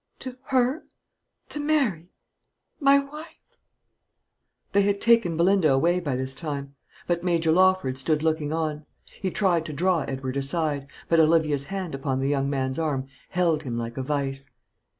"To her to Mary my wife?" They had taken Belinda away by this time; but Major Lawford stood looking on. He tried to draw Edward aside; but Olivia's hand upon the young man's arm held him like a vice.